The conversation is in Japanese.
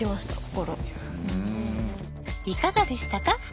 いかがでしたか？